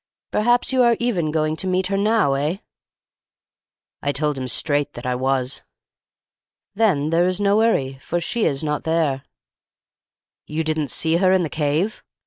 Perhaps you are even going to meet her now, eh?'" I told him straight that I was. "'Then there is no 'urry, for she is not there.' "'You didn't see her in the cave?